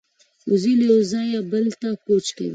وزې له یوه ځایه بل ته کوچ کوي